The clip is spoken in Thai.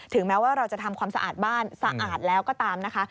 แม้ว่าเราจะทำความสะอาดบ้านสะอาดแล้วก็ตามนะคะ